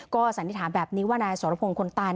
ก็สัญญาถามแบบนี้ว่านายสรพงษ์คนตาย